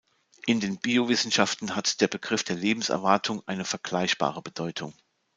In den Biowissenschaften hat der Begriff der Lebenserwartung eine vergleichbare Bedeutung.